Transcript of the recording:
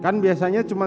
kan biasanya cuma